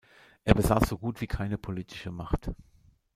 Er besaß so gut wie keine politische Macht.